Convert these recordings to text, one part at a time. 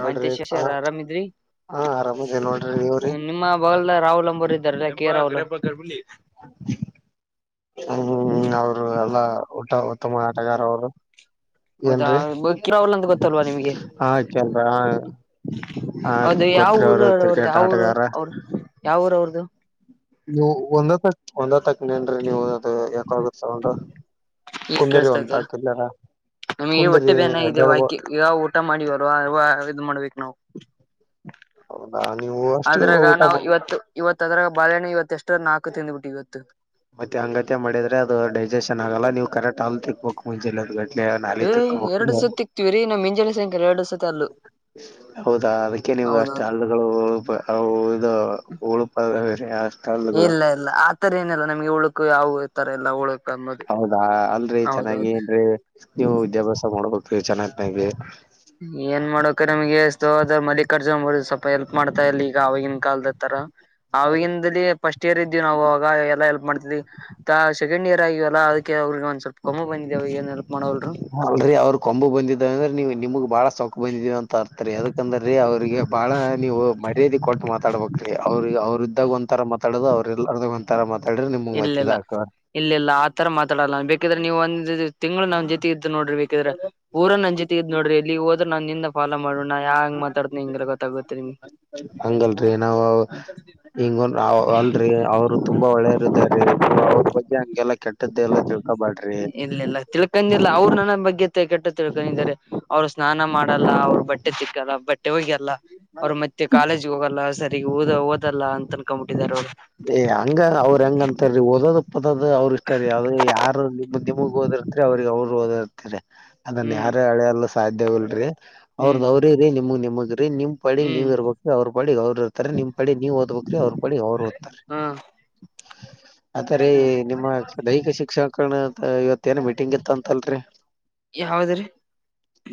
ನೋಡ್ರಿ ಮಂತೇಶ್ಶಾಸಿ ಆ ಹ ಆರಾಮಿದ್ರಿ. ಹಾ ಆರಾಮದೇ ನೋಡ್ರಿ ನೀವ್ರಿ ನಿಮ್ಮ [unintelligible] ಹ್ಮ್ ಅವರು ಎಲ್ಲಾ ಉತ್ತಮ ಆಟಗಾರು ಅವರು. ಹೌದಾ ಏನ್ರೀ [unintelligible] ಗೊತ್ತಲ್ವಾ ನಿಮ್ಗೆ. ಹಾ ಕೇಳ್ರ ಹ ಅವರ್ದುಯಾವ ಗೊತ್ರಿ ಅವರು ಊರುರು ಕ್ರಿಕೆಟ್ ಯಾವ ಊರು ಆಟಗಾರ ಅವರು ಯಾವ ಊರ ಅವ್ರದು. ನೀವು ಒಂದತ್ತ ಒಂದ ತಕ್ನೇನ್ ನೀವು ಅದು ಎಕೊ ಆಗುತ್ತೆ ಸೌಂಡ್. ಈಗ ಕುಂದರಿ ಒಂತ ಕೇಳಸ್ತೈತೆ ಅಷ್ಟು ಜನ ನಮಗೆ ಹೊಟ್ಟೆ ಕುಂದರಿ ಬೇನ ಇದೆ ವಾಕಿ ಈಗ ಊಟ ಮಾಡಿವಾರ ಅವಾ ಇದ್ ಮಾಡ್ಬೇಕು ನಾವು. ಹೌದಾ ನೀವು. ಅಷ್ಟು ಅದ್ರಾಗ ಊಟ ನಾವು ಮಾಡ ಇವತ್ತು ಇವತ್ ಅದ್ರಾಗ ಬಾಳಹಣ್ಣೆ ಇವತ್ತು ಎಷ್ಟ ನಾಲ್ಕು ತಿಂದ್ಬಿಟ್ಟು ಇವತ್ತು ಮತ್ತೆ ಅಂಗತ್ಯ ಮಾಡಿದ್ರೆ ಅದು ಡೈಜೆಷನ್ ಆಗಲ್ಲ ನೀವು ಕರೆಕ್ಟ್ ಆಲ್ ತಿಕ್ಬೇಕು ಮುಂಜೆಲ್ಲ ಅದ ಗಡ್ಡಿ. ನಾಳೆ ತನಕ ಹೋಗ. ಇವ್ರೀ ನಮ್ಮ ಮಿಂಜಲಿ ಸಂಕ್ಯ ಎರಡು ಸತಿ ಆದ್ಲು. ಹೌದಾ ಅದಕ್ಕೆ ನೀವು ಅಷ್ಟ ಹಾಲು. [unintelligible] ಇಲ್ಲ ಇಲ್ಲ ಆತರ ಏನಲ್ಲ ನಮ್ಗೆ ಉಳಕು ಯಾವ ತರ ಇಲ್ಲ ಉಳಕ್. ಹೌದಾ ಅಲ್ರರಿ ಚೆನ್ನಾಗಿ ಏನ್ರಿ ನೀವು ವಿದ್ಯಾಭ್ಯಾಸ ಮಾಡೋಡ್ಬೇಕಿ ಚೆನ್ನನಾಗ. ಏನ್ ಮಾಡಕ ನಮಗೆ ಎಷ್ಟ ಮಲ್ಲಿಕಾರ್ಜುನ್ ಸ್ವಲ್ಪ ಎಲ್ಪ್ ಮಾಡ್ತಾ ಇಲ್ಲಿ ಈಗ ಆವಾಗಿನ ಕಾಲದತರ. ಅವಗಿಂದಲೇ ಪಸ್ಟ್. ಇಯರ್ ಇದ್ದೀವಿ ನಾವು ಆಗ ಎಲ್ಲಾ ಎಲ್ಪ್ ಮಾಡ್ತಿದ್ವಿ ಸೆಕಂಡ್ ಇಯರ್ ಆಗಿವವಲ್ಲ ಅದಕ್ಕೆ ಅವ್ರಗ ಒಂದ ಸ್ವಲ್ಪ. [unintelligible] ಬಂದಿದವು ಏನ್ ಹೆಲ್ಪ್ ಮಾಡೋವಲ್ರು. ಅಲ್ರರಿ ಅವ್ರರು ಕಂಬು ಬಂದಿದಾವ ಅಂದ್ರೆ ನೀವು ನಿಮಗ್ ಬಾಳ ಸೊಕ್ಕು ಬಂದಿದೀ ಅಂತ ಅರ್ತರಿ ಅದಕಂದ್ರೀ ಅವ್ರಿಗೆ. ಬಹಳ ನೀವು ಮರ್ಯಾದೆ ಕೊಟ್ಟ ಮಾತಾಡ್ಬೇಕ್ರೀ ಅವ್ರ ಇದ್ದಾಗ ಒಂತರ ಮಾತಾಡುದು ಅವ್ರಲ್ಲಾಗ. ತರ ಮಾತಾಡ್ರಿ ನಿಮಗ್ ಮತ್ತಿದೇಹಾಕ. ತರ ಮಾತಾಡಲ್ಲ ಬೇಕಿದ್ರೆ ನೀವು ಒಂದು ತಿಂಗಳು ನನ್ನ ಜೊತೆ ಇದ್ದ ನೋಡ್ರಿ ಬೇಕಿದ್ರೆ ಪುರಾ ನನ್ನ ಜೊತೆ. ನೋಡ್ರಿ ಇಲ್ಲಿ ಹೋದ್ರ ನನ್ನ ಹಿಂದೆ ಫಾಲ್ಲೋ ಮಾಡೋಣ ಯಾಂಗ್ ಮಾತಾಡ್ತನೆ ಹಿಂಗಗೆ ಗೊತ್ತಾಗುತ್ತೆ ನಿಮ್. ಹಂಗಲ್ರಿ ನಾವು ಹಿಂಗೇ ಅಲ್ರರಿ ಅವರು. ತುಂಬಾ ಒಳ್ಳೇರುದಾರ್ರೀ ನೀವು ಅವ್ರ ಬಗ್ಗೆ ಹಗೆಲ್ಲಾ ಕೆಟ್ಟದ್ದ ಎಲ್ಲ ತಿಳ್ಕೋಬೇಡ್ರಿ. ಇಲ್ಲ ಇಲ್ಲ ತಿಳ್ಕೊಂಡಿಲ್ಲ ಅವ್ರು ನನ್ನ ಬಗ್ಗೆ ತಪ್ಪು ಕೆಟ್ಟ ತಿಳ್ಕೊಂಡಿದ್ದಾರೆ ಅವ್ರು ಸ್ನಾನ ಮಾಡಲ್ಲ ಅವರು ಬಟ್ಟೆ ತಿಕ್ಕಲ್ಲ. ಬಟ್ಟೆ ಹೋಗಿಯಲ್ಲ ಅವ್ರು ಮತ್ತೆ ಕಾಲೇಜ್ಗೆ ಹೋಗಲ್ಲ ಸರಿ ಓದ ಓದಲ್ಲ ಅಂತ ಅನ್ಕೊಂಡ್ಬಿಟ್ಟಿದ್ದಾರೆ ಅವರು. ಏ ಹಂಗ ಅವ್ರ ಹೆಂಗ ಅಂತಾರೀ ಓದೋದು ಪದ್ ಅವರು ಇಷ್ಟ ರೀ ಯಾವ ಯಾರ. ನಿಮಗ್ ಓದಿರ್ತರಿ ಅವ್ರಗ್ ಅವರು ಓದಿರ್ತರಿ ಅದನ್ ಹ್ಮ್ ಯಾರು ಅಳೆಯಲು ಸಾಧ್ಯವಲ್ರಿ. ಅವ್ರದ್ದ ಹ್ಮ್ ಅವ್ರಿರೀ ನಿಮಗ್ ನಿಮಗ್ರೀ ನಿಮ್. ಪಡಿ ಹ್ಮ್ ನೀವ ಇರ್ಬೇಕ್ರಿ ಅವ್ರರು ಪಾಡಿಗೆ ಅವ್ರು ಇರ್ತಾರೆ ನಿಮ್ಮ ಪಾಡಿಗೆ ನೀವ್ ಓದ್ಬೇಕ್ರೀ ಅವ್ರ ಪಾಡಿಗೆ ಅವರು. ಹ್ಮ ಆದಾರೆ ನಿಮ್ಮ ದೈಹಿಕ ಶಿಕ್ಷಣಕಾರಣ ಇವತ್ತು. ಇವತ್ತು ಏನೋ ಮೀಟಿಂಗ್ ಇತ್ತಅಂತಲ್ರಿ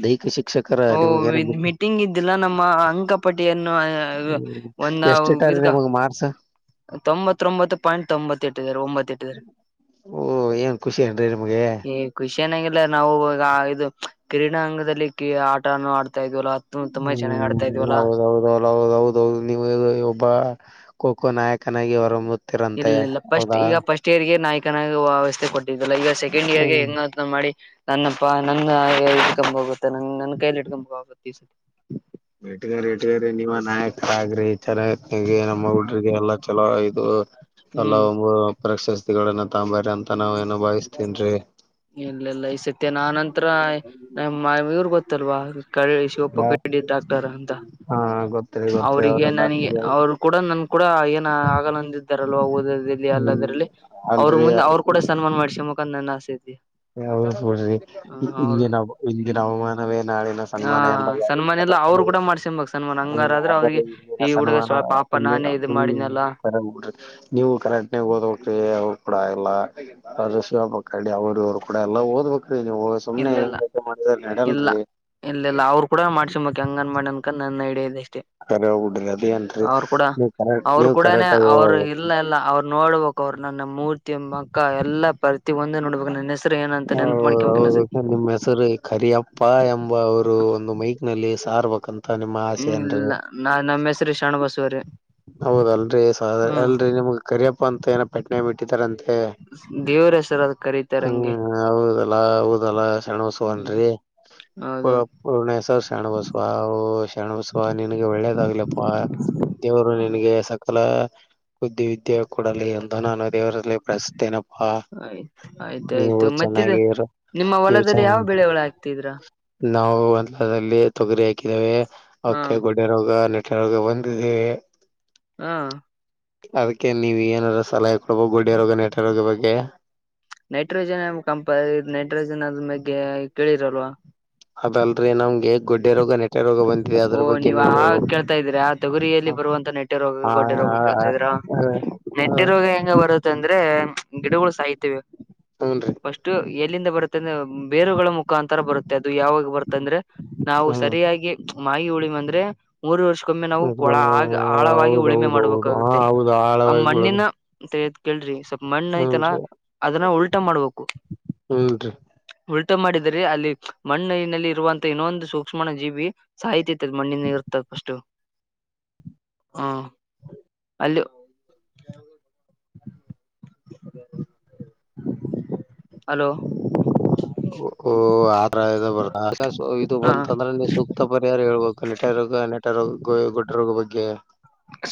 ದೈಹಿಕ ಶಿಕ್ಷಕರ. ನಿಮ್ಗ ಓಹ ಏನ ಮೀಟಿಂಗ್ ಇದ್ದಿಲ್ಲಾ ನಮ್ಮ ಅಂಕ. ಪಟ್ಟಿಯನ್ನು ಒಂದ ಎಷ್ಟ ಇಟ್ಟಾರಿ ಇದ. ನಿಮಗ್ ಮಾರ್ಕ್ಸ್. ತೊಂಬತ್ತೊಂಬತ್ತು ಪಾಯಿಂಟ್ ತೊಂಬತು ಇಟ್ಟಿದಾರೆ ಒಂಬತ್ತೆ. ಓ ಏನ್ ಖುಷಿ ಏನ್ರಿ ನಿಮ್ಗೆ ಈ ಖುಷಿಯನಂಗಿಲ್ಲ ನಾವು ಈಗ ಇದು ಕ್ರೀಡಾ ಅಂಗದಲ್ಲಿ ಆಟನು ಆಡ್ತ. ಆತ ಇದ್ವಲ್ಲ ಅ ತುಂಬಾ ಚೆನ್ನಾಗಿ ಆಡ್ತಾ ಹ್ಮ್ ಇದವಲ್ಲ. ಹೌದೌದೌದ ಹೌದೌದೌದು ನೀವು ಒಬ್ಬ ಖೋ- ಖೋ ನಾಯಕನಾಗಿ ಹೊರಹೊಂಮ್ಮು. ಇಲ್ಲ ಇಲ್ಲ ಫಸ್ಟ್ ಈಗ ಫಸ್ಟ್ ಇಯರ್ಗೆ ನಾಯಕನ ವ್ಯವಸ್ಥೆ ಕೊಟ್ಟಿದ್ದಲ್ಲ ಈಗ ಸೆಕಂಡ್ ಇಯರ್ಗೆ ಹ್ಮ್ ಹೆಂಗ. ಮಾಡಿ ನನ್ನಪ್ಪಾ ನನ್ನ ಇಟ್ಕೊಂಡ್ ಹೋಗುತ್ತೆ ನ ನನ್ನ ಕೈಲಿ ಇಟ್ಕೊಂಡ್ಬುತ್ತೆ ಈ ಸ. ಇಟ್ಟಗಾರ ಇಟ್ಗಾರಿ ನಿಮ್ಮ ನಾಯಕರ ಅಗರಿ ಚೆನ್ನತ್ಗೆ ನಮ್ಮ ಹುಡ್ರಿಗೆ ಎಲ್ಲಾ ಚಲೋ ಐ. ಇದು ಎಲ್ಲ ಹ್ಮ್ ಒ ಪ್ರಶಸ್ತಿಗಳನ್ನ ತಂಬ್ರ ಅಂತ ನಾವ ಏನ ಭಾವಿಸ್ತೇನ್ರಿ. ಇಲ್ಲ ಇಲ್ಲ ಈ ಸತ್ಯ ನ ನಂತರ ನ ಇವ್ರ ಗೊತ್ತಲ್ವಾ. ಕಳಿಸಿ ಒಪ್ಪ ಕ ಡಾಕ್ಟರ್ ಅಂತ ಹಾ ಗೊತ್ತರಿ ಗೊತ್ತರಿ ಅವ್ರಿಗೆ ಅವರು ನನಗೆ ಅವರು. ಕೂಡ ನನ್ ಕೂಡ ಏನ ಆಗಲ್ಲಂದ ಇದಿದ್ದಾರಲ್ವ ಓದಲ್ಲಿ ಹ್ಮ್ ಅಲ್ಲದರಲ್ಲಿ ಅವ್ರ ಅಲ್ರಿ ಮುಂದೆ ಅವ್ರ. ಕೂಡ ಸನ್ಮಾನ ಮಾಡಸ ಮುಖಂದ ನನ್ನ ಆಸೆ ಅಯತಿ. ೋಡ್ರಿ ಇಿನ ಇಂದಿನ ಹವಾಮಾನ [unintelligible] ನಾವೇ ನಾಡಿನ ಹ ಸನ್ಮಾನ ಎಂಬ ಸನ್ಮಾನ ಎಲ್ಲ ಅವ್ರು ಕೂಡ ಮಾಡ್ಸನ್ಬಕ್ ಸನ್ಮಾನ ಹಂಗಾರಾದ್ರೆ ಆದರೆ ಅವ್ರಿಗೆ ಇಲ್ಲಿನ ಈ ಹುಡುಗ ಸನ್ಮಾನ. ಸ್ವ ಪಾಪ ನಾನೇ ಇದು ಮಾಡಿನಲ್ಲ ಒ ಕರಡ [unintelligible] ನೀವು ಕರೆಂಟ್ನಾಗ ಓದಕ ಕೂಡ ಆಗಲ್ಲ ಆದ್ರ ಶಿವಪಕ್ಕಡಿ ಅವ್ರವರು. ಕೂಡ ಎಲ್ಲಾ ಓದ್ಬೇಕ್ರಿ ನೀವು ಸುಮ್ನೆ ಇಲ್ಲೆಲ್ಲ ಹಿಂಗ ಮಾಡಿದ ನೆಡಲ್ರರಿ. ಗಂಗನ್ ಮಾಡನ್ಕ ನನ್ ಐಡಿಯಾ ಇದೆ ಅಷ್ಟೇ. ಕರೆ ಬಿಡ್ರಿ ಅದೇನ್ರಿ ಅವರು ಕೂಡ ನೀವು ಕರೆಕ್ಟ್ ಅವರು ನೀವು ಕೂಡಾನೇ ಕರೆಕ್ಟ್ ಆಗ ಅವರು ಇಲ್ಲ ಎಲ್ಲ ಅವರು. ನೋಡ್ಬೇಕ ಅವರು ನನ್ನ ಮೂರ್ತಿಯ ಅಕ್ಕ ಎಲ್ಲಾ ಪರಿ. ಒಂದ ನೋಬೇಕ ನ ಹೆಸರು ಏನಂತೆನ್ ನೆನಪ ಮಾಡಕ ಇನ್ನಸೋತಿ. ನಿಮ್ಮ್ ಹೆಸರು ಕರಿಯಪ್ಪ ಎಂಬ ಅವರು ಒಂದು ಮೈಕ್ ನಲ್ಲಿ ಸಾರ್ಬೇಕಂತ. ತನ ಆಸೆ ಹ್ಮ್ ಏನ್ ರಿ. ಇಲ್ಲ ನಾ ನಮ್ಮ ಹೆಸರು ಶಾಣಬಸವರಿ. ಹೌದಲ್ರಿ ಅಲ್ರರಿ ನಿಮ್ಗ್ ಕರಿಯಪ್ಪ ಅಂತ ಏನ ಪೆಟ್ಣ ನೇಮ್ ಇಟ್ಟಿದಾರಂತೆ. ದೇವ್ರ ಹೆಸರು ಅದ ಕರೀತಾರ ಹ್ಮ ಹಂಗೆ ಹೌದಲ್ಲ ಹೌದಲ್ಲಾ ಹ್ಮ್ ಶರಣಬಸವನ್ರಿ. ಪ ಹೌದೌದು ಪೂರ್ಣ್ವರ್ ಶಣಬಸವ ಶಣಬಸವ ನಿನಗೆ ಒಳ್ಳೇದಾಗ್ಲಪ್ಪ. ದೇವರು ನಿನಗೆ ಸಕಲ ಬುದ್ಧಿವಿದ್ಯೆ ಕೊಡಲಿ ಎಂದು ನಾನು ದೇವರಲ್ಲಿ ಪ್ರಶತನಿ. ತ್ತೇನಪ್ಪಾ ಆಯ್ ನೀವು ಆಯ್ತಾಯ್ತು ಮತ್ತಿದು ಚೆನ್ನಾಗಿರ. ನಿಮ್ಮ ಹೊಲದಲ್ಲಿ ಯಾವ ಬೆಳೆ ಒಳ ಆಗ್ತಿದ್ರಾ. ನಾವು ಹೊಲದಲ್ಲಿ ತೊಗರಿ ಹಾಕಿದೇವೆ ಹ ಅಕ್ಕಾಯ ಗಡ್. ನ ರೋಗ ನೆಟ ರೋಗ ವಂದಿದೆ. ಹಾ ಅದಕ್ಕೆ ನೀವು್ ಏನಾದಾರೂ ಸಲಹಾಯ ಕೊಡ್ಬೋ ಗುಡ ರೋಗ ನೆಟ ರೋಗ ಬಗ್ಗೆ. ನೈಟ್ರೋಜನ್ ಕಂಪ ನೈಟ್ರೋಜನ್ ಅದ್ರ ಬಗ್ಗೆ ಕೇಳಿರಲ್ವ. ಅದಲ್ರೀ ನಮ್ಗೆ ಗೊಡ್ಡೆ ರೋಗ ನೆಟ್ಟೆ ರೋಗ ಬಂದ. ಓ ನೀವ್ ಆ ಕೇಳ್ತಾ ಇದ್ರಾ ಆ ತೊಗುರಿಯಲ್ಲಿ ಬರುವಂತ ನೆಟ್ಟೆ ರೋಗ ಹ ಗೊಡ್ಡೆ ರೋಗ ಹ ಕೇಳ್ತಾ ಇದ್ರಾ. ಹ ಹ ನೆಟ್ಟಿ ರೋಗ ಹೆಂಗ ಬರುತ್ತ ಅಂದ್ರೆ ಗಿಡಗಳು ಸಾಯ್ತವಿ. ಹ್ಮ್ ರೀ... ಫಸ್ಟ್ ಎಲ್ಲಿಂದ ಬರುತ್ತೆ ಅಂದ್ರ ಬೇರುಗಳ ಮುಖಾಂತರ ಬರುತ್ತೆ ಅದು ಯಾವಾಗ. ಬರ್ತಂದ್ರೆ ನಾವು ಹ್ಮ್ ಸರಿಯಾಗಿ ಮಾಹಿ ಉಳಿಮ ಅಂದ್ರೆ. ಮೂರು ವರ್ಷಕ್ಕೊಮ್ಮೆ ನಾವು ಕೊಳ ಆಗ ಆಳವಾಗಿ ಉಳುಮೆ ಹೌದೌದೌದು ಹಾ ಮಾಡ್ಬೇಕಾಗುತ್ತೆ ಹೌದು ಆ ಆಳವಾಗಿ ಮಣ್ಣಿನ. ಉಳುಮೆ ಅಂತದ್ ಕೇಳ್ರಿ ಸ್ವಲ್ಪ ಮಣ್ಣಐತಲ್ಲಾ ಹುನ್ರಿ ಅದನ್ನ ಉಲ್ಟಾ ಮಾಡ್ಬೇಕು. ಹುನ್ರಿ. ಉಲ್ಟ ಮಾಡಿದರೆ ಅಲ್ಲಿ ಮಣ್ಣನಲ್ಲಿ ಇರುವಂತಹ ಇನ್ನೊಂದು ಸೂಕ್ಷ್ಮ ಜೀವಿ ಸಾಹಿತಿ. ಮಣ್ಣಿನ ಇರುತ್ತದೆ ಪಷ್ಟು. ಹಾ ಅಲ್ಲಿ........ [unintelligible] ಹಲೋ........ ಓ ಆದ್ರ ಬರ್ ಇದು ಹ ಬಂತಂದ್ರೆ ಸುಕ್. ತ್ತಪರಿ ಯಾರು ಹೇಳ್ಬೇಕು ನೆಟ ರೋಗ ನೆಟ ರೋಗ ಗೊಡ್ಡ ರೋಗ ಬಗ್ಗೆ.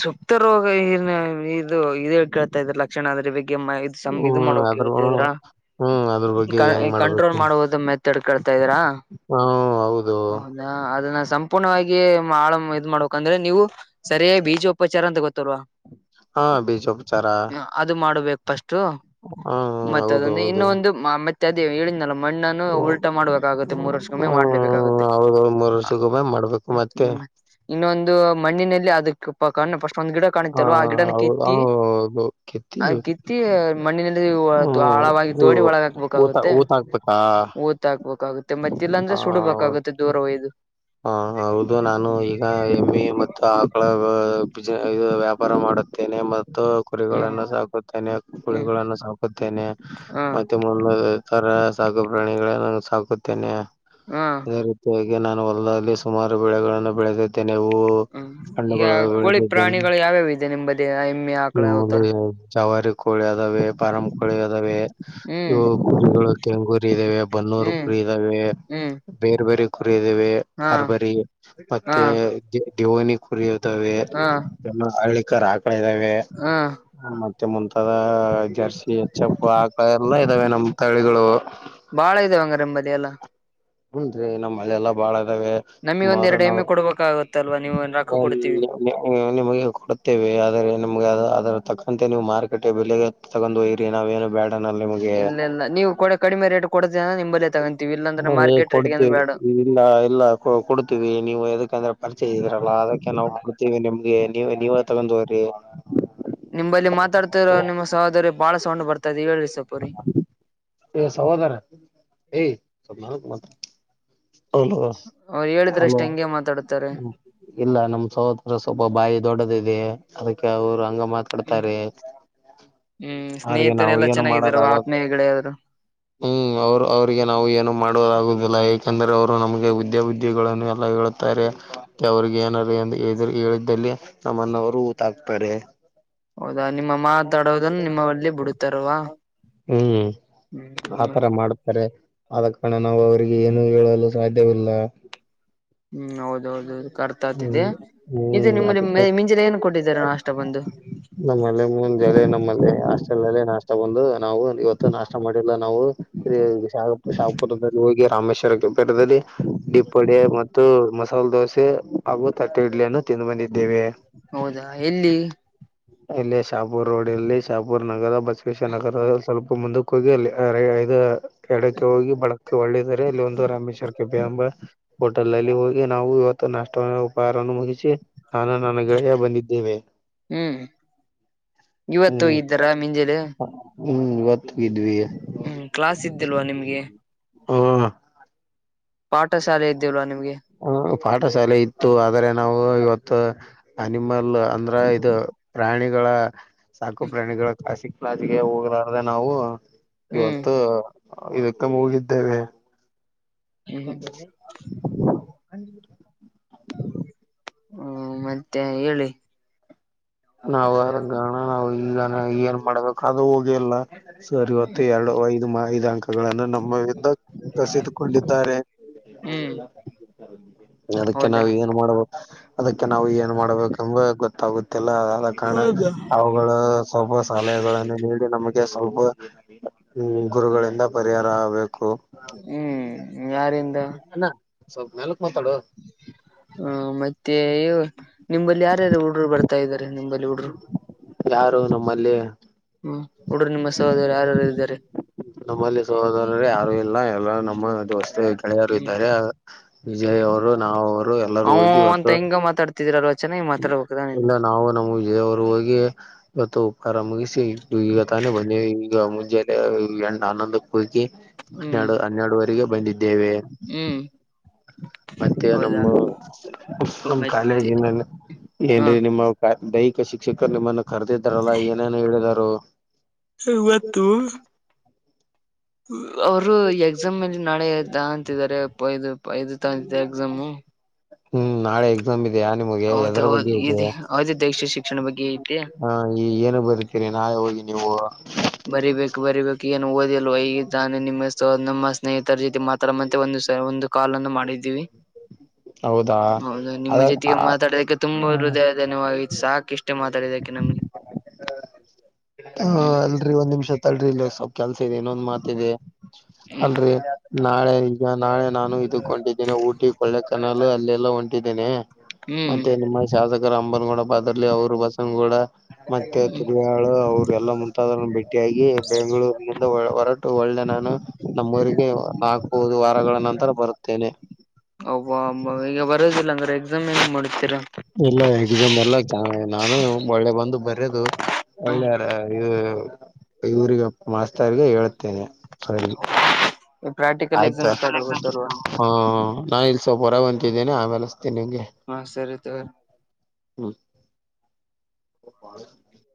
ಸುಪ್ತ ರೋಗ ಏ ಇದು ಇದ ಹಳ್ ಕೇಳ್ತಾ ಇದ್ರೆ ಲಕ್ಷಣ ಅಂದ್ರೆ ಬಗ್ಗೆ ಇದು ಹ್ಮ್ ಮಾಡೋ ಅದ್ರ ಹೇಳ್ತಿದ್ರ ಹ್ಮ್ ಅದ್ರ ಬಗ್ಗೆ ಹೆಂಗ್ ಕಂಟ್ರೋಲ್ ಮಾಡ್ಬೇಕು ಮಾಡುವುದು ಮ ತಡ್ಕಳ್ತಾ ಇದೀರಾ. ಹಾ ಹೌದು. ಹೌದಾ ಅದನ್ನ ಸಂಪೂರ್ಣವಾಗಿ ಆಳ ಇದ್ ಮಾಡ್ಬೇಕಂದ್ರೆ ನೀವು ಸರಿಯೇ ಬೀ ಉಪಚಾರ ಅಂತ ಗೊತ್ತೋಲ್ವಾ. ಹಾ ಬೀಜ ಉಪಚಾರ. ಅದು ಮಾಡಬೇಕು ಫಸ್ಟ್ ಮತ್ತೆ ಹೌದು ಅದೊಂದು ಇನ್ನೊ ಹೌದು. ಒಂದು ಮತ್ತೆ ಅದ ಹೇಳ ಮಣ್ಣನ್ನು ಉಲ್ಟ ಹ್ಮ್ ಮಾಡ್ಬೇಕಾಗುತ್ತೆ ಮೂರ್ ವರ್ಷಕ್ಕಮ್ಮೆ ಮಾಡ್ಲೇಬೇಕಾಗುತ್ತೆ. ಹೌದೌದು ಮೂರ್ ವರ್ಷಕ್ಕೊಮ್ಮೆ ಮಾಡ್ಬೇಕು ಮತ್ತೆ. ಹ್ಮ್ ಇನ್ನೊಂದು ಮಣ್ಣಿನಲ್ಲಿ ಅದಕ್ಕೆ ಪಾಕಣ ಪಫಸ್ ಒಂದು ಗಿಡ ಹ ಕಾಣಿತಲ್ಲ ಆ ಗಿಡನ ಹೌದು ಕಿತ್ತಿ ಹೌದು ಆ ಕಿತ್ತಿ ಕಿತ್ತಿ ಮಣ್ಣಿನಲ್ಲಿ ಹ್ಮ ಆಳವಾಗಿ ತೋಡಿ ಒಳಗ ಊತ ಹಾಕ್ಬೇಕಾಗುತ್ತೆ ಊತ ಹಾಕ್ಬೇಕಾ ಊತ್ ಹಾಕ್ಬೇಕಾಗುತ್ತೆ ಮತ್ತೆ ಇಲ್ಲಾಂದ್ರೆ ಸುಡ್ಬೇಕಾಗುತ್ತೆ ದೂರ ಒಯ್ದು. ಹಾ ಹೌದು ನಾನು ಈಗ ಎಮ್ಮಿ ಮತ್ತು ಆ ಳ ಬ ಇದು ವ್ಯಾಪಾರ ಮಾಡುತ್ತೇನೆ ಮತ್ತು ಹ್ಮ್ ಕುರಿಗಳನ್ನು ಸಾಕುತ್ತೇನೆ. ಹ್ಮ್ ಗಳನ್ನ ಸೌಕತ್ತ ಹಾ ಮತ್ತೆ ಮುಂದ ತರ ಸಾಕು ಪ್ರಾಣಿಗಳೆ ನ ಸಾಕುತ್ತೇನೆ. ಹಾ ರೀತಗೆ ನಾನು ಹೊಲದಲ್ಲಿ ಸುಮಾರು ಬೆಳೆಗಳನ್ನು ಬೆಳೆದಿದ್ದೇನೆ ನೀವು ಹಣ್ಣು ಬೆಳೆ ಗಳು ಯಾವ್ಯಾವ ಇದೆ ನಿಮ್ಮಂಬಲ್ಲಿ ಹೆಮ್ಮೆ ಆಕಳ ಅವ ತರ ಚವಾರಿ ಕೋಳಿ ಅದಾವೆ ಪರಂ ಕೋಳಿ ಅದಾವೆ. ಹ್ಮ್ ಇವು ಕುರಿಗಳು ಕೆಂಗುರಿ ಇದ್ದಾವೆ ಬನ್ನೂರು ಹ್ಮ್ ಕುರಿ ಇದ್ದಾವೆ. ಹ್ಮ್ ಬೇರ್ ಬೇರಿ ಕುರಿದೇವೆ ಹಾ ಬರ್ಬರಿ ಹಾ ಮತ್ತೆ ದಿವೋನಿ ಕುರಿ. ಹಾ ಹಳಿಕರ ಆ ಹಾ ಮತ್ತೆ ಮುಂತಾದ ಜರ್ಸಿ ಎಚ್ಚಪ್ಪು ಹಾಕ ಎಲ್ಲ ಇದಾವೆ ನಮ್ ತಳಿಗಳು. ಬಾಳ ಇದದೆ ಹಂಗ ನೆಮ್ಮಂಬದಿಲ್ಲ. ಹಂ ರೀ ನಮ್ಮ ಮಳೆಲ್ಲಾ ಬಾಳ ಇದದಾವೆ. ನಮಿಗ್ ಒಂದ ಎರಡು ಎಮ್ಮೆ ಕೊಡ್ಬೇಕಾಗಗತ್ತಲ್ವಾ ನೀವು ಒಂದ ರಕ್ಕ ಕೊಡ್ತೀವಿ. ನಿಮಗೆ ಕೊಡತ್ತೇವೆ ಆದ್ರರೆ ನಿಮ್ಗೆ ಅದ್ರ ತಕ್ಕಂತೆ ನೀವು ಮಾರ್ಕೆಟ್ ಬೆಲೆಗೆ ತಗೊಂಡು ಯರಿ ನಾವೇನು ಬೇಡ ಅನ್ನಲ್ಲ. ಇಲ್ಲ ಇಲ್ಲ ನೀವು ಕಡ ಕಡಿಮೆ ರೇಟ್ ಕೊಡದ ನಿಂಬಲ್ಲೇ ತಗೊಂತೀವಿ ಇಲ್ಲಾಂದ್ರೆ ಹ್ಮ, ಮಾರ್ಕೆಟ್ ರೇಟ್ ಏ ಕೊಡ್ತೀವಿ ಬೇಡ. ಇಲ್ಲ ಇಲ್ಲ ಕೊ ಕೊಡ್ತೀವಿ ನೀವು ಯದಕ್ಕೆಂದ್ರೆ ಪರ್ಚೇಸ್ ಇದರಲ್ಲ ಅದಕ್ಕೆ ನಾವು ಕೊಡ್ತೀವಿ ನಿಮ್ಗೆ ನೀವು ನೀವ ತಗಂದುರಿ. ನಿಂಬಲ್ಲಿ ಮಾತಾಡ್ತಿರೋ ನಿಮ್ಮ ಸಹೋದರಿ ಬಾಳ ಸೌಂಡ್ ಬರ್ತಾ ಹೇಳ್ರಿ ಸ್ವಲ್ಪು. ಏಯ್ ಸಹೋದರಿ ಏಯ್ ಸ್ವಲ್ಪ ಮೆಲ್ಲಕ್ ಮಾತ್ ಹೌದು ಅವ್ರು ಹಲೋ. ಹೇಳಿದ್ರಷ್ಟೇ ಹಂಗೆ ಮಾತಾಡುತ್ತಾರೆ ಇಲ್ಲ ನಮ್ ಸಹೋದರ ಸ್ವಲ್ಪ ಬಾಯಿ ದೊಡ್ಡದದೆ ಅದಕ್ಕೆ ಅವರು ಅಂಗ ಮಾತ್ ಡ್ತಾರೆ ಹ್ಮ್ ಅವಿಗೆ ನಾವು ಸ್ನೇಹಿತರೆಲ್ಲಾ ಏನು ಚೆನ್ನಾಗಿದಾರ ಮಾಡೋದಾಗ ಆತ್ಮೀಯ ಗೆಳೆಯರು ಹ್ಮ್ ಅವರು ಅವಿಗೆ ನಾವು ಏನು ಮಾಡುವುದಾಗುದಿಲ್ಲ. ಯಕಂದರೆ ಅವರು ನಮಗೆ ವಿದ್ಯಾವಿದ್ಯೆಗಳನ್ನು ಎಲ್ಲ ಹೇಳುತ್ತಾರೆ ಅವ್ರಿಗೆ ಏನಾರ ಹೇಳ ಹೇಳಿದ್ದಲ್ಲಿ. ನಮ್ಮಣ್ಣನವರು ಊಟ ಹಾಕ್ತಾರೆ. ಹೌದಾ ನಿಮ್ಮ ಮಾತಾಡೋದನ್ನು ನಿಮ್ಮವಳ್ಳೆ ಬಿಡತಾರವಾ. ಹ್ಮ್ ಆತರ ಮಾಡು ಪರಿಹಾರ್ ಆದ ಕಾರಣ ನಾವು ಅವರಿಗೆ ಏನು ಹೇಳಲು ಸಾಧ್ಯವಿಲ್ಲ. ಹ್ಮ್ ಹೌದ ಹೌದು ಕರ್ತ ಹ್ಮ್ ಆತಿದೆ ಇದು ಹ್ಮ್ ಅದಕ್ಕೆ ನಿಮ್ಮಲ್ಲಿ ಮಿಂಜಿಲ್ ಏನು. ಕೊಟ್ಟಿದ್ದಾರೆ ನಾ ಅಷ್ಟ ಬಂದು ನಮ್ಮಲ್ಲಿ ಮುಂಜೆ ನಮ್ಮಲ್ಲಿ ಹಾಸ್ಟೆಲ್ ನಲ್ಲಿ ನಾಷ್ಟ ಬಂದು ನಾವು ಇವತ್ತು ನಾಷ್ಟ ಮಾಡಿಲ್ಲ ನಾವು. ಶ ಶಾಪುರದಲ್ಲಿ ಹೋಗಿ ರಾಮೇಶ್ವರಂ ಕೆಫೆದಲ್ಲಿ ಡಿಪ್ಪಡಿ ಮತ್ತು ಮಾಸಲ್ ದೋಸೆ ಹಾಗೂ ತಟ್ಟೆ ಇಡ್ಲಿಯನ್ನು ತಿಂದು ಬಂದಿದ್ದೇವೆ. ಹೌದಾ ಎಲ್ಲಿ ಇಲ್ಲಿ ಶಾಪುರ್ ರೋಡ್ ಅಲ್ಲಿ ಶಾಪುರ್ ನಗರ ಬಸವೇಶ್ವರನಗರ ಸ್ವಲ್ಪ ಮುಂದ್ ಹೋಗಿ ಅಲ್ಲಿ ಇದು ಎಡಕ್ಕೆ ಹೋಗಿ ಬಲಕ್ಕೆ ಒಳ್ಳೆ ಇದೆ ರೀ ಅಲ್ಲಿ ಒಂದು ರಾಮೇಶ್ವರಂ ಕೆಫೆ ಎಂಬ. ಹೋಟೆಲ್ ಅಲ್ಲಿ ಹೋಗಿ ನಾವು ಇವತ್ತು ನಾಷ್ಟ ಉಪಹಾರವನ್ನು ಮುಗಿಸಿ ನಾನು ನನ್ನ ಗೆಳೆಯ ಬಂದಿದ್ದೇವೆ. ಹ್ಮ್ ಇವತ್ತು ಹ್ಮ್ ಹೋಗಿದ್ದಾರ ಮಿಂಜಾಲೆ ಹ್ಮ್ ಇವತ್ತ್ ಹೋಗಿದ್ವಿ. ಹ್ಮ್ ಕ್ಲಾಸ್ ಇದ್ದಿಲ್ವಾ ನಿಮ್ಗೆ ಹ್ಮ ಪಾಠಶಾಲೆ ಇದ್ದೀಲ್ವಾ ನಿಮ್ಗೆ ಹ್ ಪಾಠಶಾಲೆ ಇತ್ತು ಆದ್ರೆ ನಾವು ಇವತ್ತು. ಅನಿಮಲ್ ಅಂದ್ರೆ ಇದು ಪ್ರಾಣಿಗಳ ಸಾಕು ಪ್ರಾಣಿಗಳ ಖಾಸಿ ಪ್ಲಾಜಗೆ ಹೋಗಲ್ಲರಾದೆ ನಾವು ಹ್ಮ್ ಇವತ್ತು ಇದಕ್ಕ ಹೋಗಿದ್ದೇವೆ. ಹ್ಮ [unintelligible] ಹ್ಮ ಮತ್ತೆ ಹೇಳಿ ನಾವ್ ಅಣ ನಾವು ಈಗಾನ ಏನ್ ಮಾಡ್ಬೇಕು ಅದು ಹೋಗಿಲ್ಲ. ಸರಿವತ್ತು ಎರಡು ಐದು ಐದು ಅಂಕಗಳನ್ನು ನಮ್ಮ ಇಂದ ಕಸಿದುಕೊಂಡಿದ್ದಾರೆ. ಹ್ಮ್ ಅದಕ್ಕೆ ಹೌದಾ ನಾವು ಏನ್ ಮಾಡಬೇಕ್ ಅದಕ್ಕೆ ನಾವು ಏನ್ ಮಾಡ್ಬೇಕಂದ್ ವಾಗ ಗೊತ್ತಾಗುತ್ತೆ. ಇಲ್ಲ ಆದ ಕಾರಣ ಅವುಗಳು ಸ್ವಲ್ಪ ಸಲಹೆಗಳನ್ನು ನೀಡಿ ನಮಗೆ ಸ್ವಲ್ಪ್ ಹ್ಮ್ ಗುರುಗಳಿಂದ ಪರಿಹಾರ ಆಗ್ಬೇಕು. ಹ್ಮ್ ಯಾರಿಂದ ಅಣ್ಣ ಸ್ವಲ್ಪ ಮೇಲಕ್ಕ್ ಮಾತಾಡೋ. ಹ ಮತ್ತೆ ನಿಂಬಲ್ಲಿ ಯಾರ್ಯಾರು ಹುಡ್ರು ಬರ್ತಾ ಇದಾರೆ ನಿಂಬಲ್ಲಿ ಹುಡ್ರು ಯಾರು ನಮ್ಮಲ್ಲಿ ಹ್ಮ ಹುಡರೂ ನಿಮ್ಮ ಸಹೋದರ ಯಾರಾರು ಇದ್ದಾರೆ. ನಮ್ಮಲ್ಲಿ ಸಹೋದರ ಯಾರು ಇಲ್ಲ ಎಲ್ಲಾ ನಮ್ಮ ಅ ವಸ್ ಗೆಳೆಯರು ಹ್ಮ್ ಇದ್ದಾರೆ ವಿಜಯ್ ಅವರು ನಾವರು ಎಲ್ಲರೂ ಹೋಗಿ ಇವತ್ತು ತಿದ್ರಲ್ವ ಚೆನ್ನಾಗಿ ಮಾತಾಡ್ಬೇಕ್ ಅಲ್ಲ ನೀನು. ಇಲ್ಲ ನಾವು ಅವರು ಹೋಗಿ ಇವತ್ತು ಉಪಹಾರ ಮುಗಿಸಿ ಇಟ್ಟು ಇವ್ ತಾನೇ ಬನ್ನಿ ಈಗ ಮುಂಜಲ್ಲೇ ಎರಡು ಆನಂದ ಕೂಗಿ ಹ್ಮ್ ಎರಡು ಹನ್ನೆರಡುವರೆಗೆ ಬಂದಿದ್ದೇವೆ. ಹ್ಮ್ ಮತ್ತೆ ಹೌದಾ ನಮ್ಮ ನಮ್ ಕಾಲೇಜ ಮತ್ತೆ ಹ ಏನ್ರೀ ನಿಮ್ಮ ದೈಹಿಕ ಶಿಕ್ಷಕರು ನಿಮ್ಮನ್ನು ಕರೆದಿದ್ದಾರಲ್ಲಾ ಏನೇನು ಹೇಳಿದ್ದಾರು. ಇವತ್ತು ಅವರು ಎಕ್ಸಾಮ್ ಅಲ್ಲಿ ನಾಳೆದ ಅಂತಿದ್ದಾರೆ ಪ್ಪಾ ಇದು ಇದು ತಗಂತಿದ್ದಾರೆ ಎಕ್ಸಾಮು ಹ್ಮ್ ನಾಳೆ ನಮ್ದಿಯಾ ನಿಮಗೆ ಎ ಹೌದ ಎದರ ಹೌದು ಬಗ್ಗೆ ಇದೆ ಅವಧಿ ದೀಕ್ಷೆ ಶಿಕ್ಷಣ ಬಗ್ಗೆ ಐತಿ [inaudible] ಹ ಈ ಏನು ಬರುತೀರಿ ನಾಳೆ ಹೋಗಿ ನೀವು ಬರಿಬೇಕು ಬರಿಬೇಕು ಏನು ಓದಿಲ್ವ ಈಗ ತಾನೆ ನಿಮ್ಮ ಸೊ ನಮ್ಮ ಸ್ನೇಹಿತರ ಜೊತೆ ಮಾತ್ರಮ್ಮಂತೆ ಒಂದು ಸ ಒಂದ ಕಾಲನ್ನು ಮಾಡಿದ್ದೀವಿ [inaudible] [inaudible] ಹೌದಾ ನಿಮ್ಮ ಅದ ಹ ಜೊತೆಗೆ ಮಾತಾಡಿದಕ್ಕೆ ತುಂಬ ಹೃದಯ ಧನ್ಯವಾದ ಇದ ಸಾಕ ಇಷ್ಟೇ ಮಾತಾಡಿದಕ್ಕೆ ನಮ್ಗೆ [inaudible] ಹ್ಮ್. ರಿ ಒಂದ್ ನಿಮಿಷ ತಡ್ರಿ ಇಲ್ಲ ಸ್ವಲ್ಪ್ ಕೆಲ್ಸ ಇದೆ ಇನ್ನೊಂದ್ ಮಾತ ಇದೆ ಹ್ಮ್ ಅಲ್ರೀ ನಾಳೆ ಈಗ ನಾಳೆ ನಾನು ಇದಕ್ ಹೊಂಟಿದ್ದೇನೆ ಊಟಿ ಕೊಳ್ಳೆ ಕೆನಾಲ್ ಅಲ್ಲೆಲ್ಲಾ ಹೊಂಟಿದ್ದೇನೆ ಹ್ಮ್ ಮತ್ತೆ ನಿಮ್ಮ ಶಾಸಕರ ಅಂಬನ್ಗೌಡ ಪಾ ಅದ್ರಲಿ ಅವರು ಬಸನಗೌಡ ಮತ್ತೆ ಳು ಅವರು ಎಲ್ಲಾ ಮುಂತಾದವರನ್ ಭೇಟ್ಟಿಯಾಗಿ ಬೆಂಗಳೂರಿನಿಂದ ಹೊರಟ ಟ ಒಳ್ಳೆ ನಾನು ನಮ್ಮೂರಿಗೆ ನಾಲ್ಕುದು ವಾರಗಳ ನಂತರ ಬರುತ್ತೇನೆ. ಅಬಾ ಅಮ್ಮಾ ಈಗ ಬರೋದಿಲ್ಲ ಅಂದ್ರೆ ಎಕ್ಸಾಮ್ ಏನ್ ಮಾಡುತ್ತೀರಾ ಅಂತ್ ಎಲ್ಲ ಎಕ್ಸಾಮ್ ಎಲ್ಲ ನಾನ ಒಳ್ಳೆ ಬಂದ ಬರೆದು ಒಳ್ಳೆ ಯಾರ ಇವ ಇವ್ರಿಗೆ ಮಾಸ್ತರ್ಗ ಹೇಳುತ್ತೇನೆ ಸರ್ ಗೆ ಪ್ರಾಕ್ಟಿಕಲ್ ಆಯ್ತ ಎಕ್ಸಾಮ್ ಹಾ ಸ್ಟಾರ್ಟ್ ಆಗುತ್ತಲ್ವಾ ನಾ ಇಲ್ಲಿ ಸ್ವಲ್ಪ ಹೊರಗ್ ಹೊಂಟಿದ್ದೇನೆ ಆಮೇಲೆ ಹಚ್ತಿನ ನಿಮ್ಗೆ. ಹಾ ಸರಿ ತುಗೊರಿ